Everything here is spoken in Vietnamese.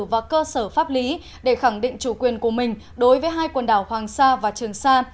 và cơ sở pháp lý để khẳng định chủ quyền của mình đối với hai quần đảo hoàng sa và trường sa